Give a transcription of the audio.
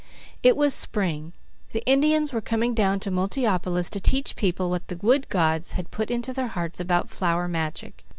It was spring; the Indians were coming down to Multiopolis to teach people what the wood Gods had put into their hearts about flower magic.